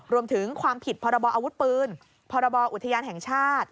รวมถึงความผิดพรบออาวุธปืนพรบอุทยานแห่งชาติ